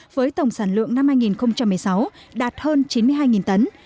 với tổng sản lượng năm hai nghìn một mươi sáu đạt hơn chín mươi hai tấn